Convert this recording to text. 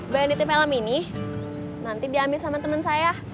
bayangin di film ini nanti diambil sama temen saya